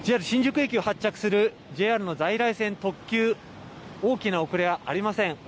ＪＲ新宿駅を発着するＪＲの在来線、特急、大きな遅れはありません。